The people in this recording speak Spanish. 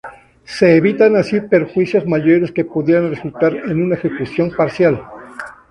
Se evitan así perjuicios mayores que pudieran resultar de una ejecución parcial.